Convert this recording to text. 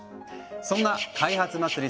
そんな開発祭り